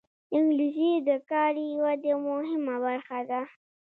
انګلیسي د کاري ودې مهمه برخه ده